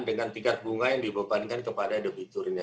dengan tingkat bunga yang dibebankan kepada debitur ini